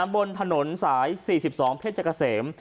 บนถนนสาย๔๒เพชรเกษม